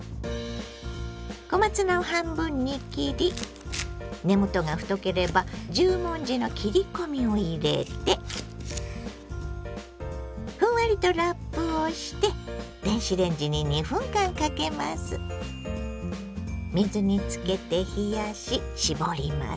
小松菜を半分に切り根元が太ければ十文字の切り込みを入れてふんわりとラップをして水につけて冷やし絞ります。